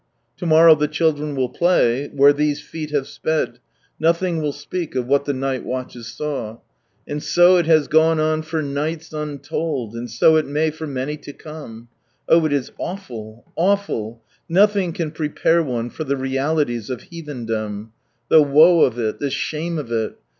To morrow the children will play, where these feet have sped, nothing will speak of what the night watches saw; and so it has gone on for nights untold, and so it may for many to come. Oh, it is awful I awful I Nothing can prepare one for the realities of Heathendom. The woe of it, the shame of it.